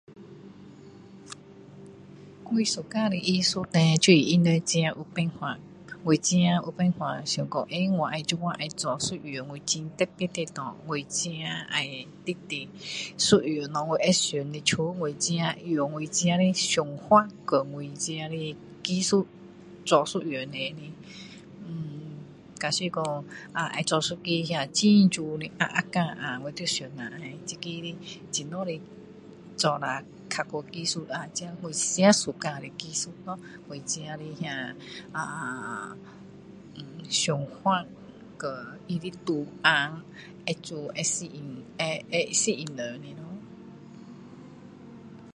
我喜欢的艺术叻就是他们有办法我自己有办法想当时我有办法要做一件我很特别的事我自己要的一件东西我会想的出来我自己用我的方法和我的自己的技术做出来比如说要做一个那个很漂亮的盒盒我就会想怎样做下那个技术我自己喜欢的技术咯我自己的想法和它的图案最美会吸引人的